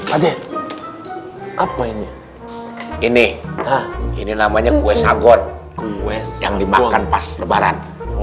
aduh apa ini ini namanya kue sagot kue yang dimakan pas lebaran